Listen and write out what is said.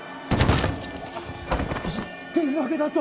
１点賭けだと？